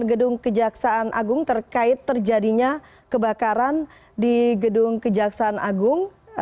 gedung kejaksaan agung terkait terjadinya kebakaran di gedung kejaksaan agung